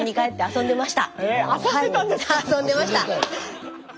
遊んでました！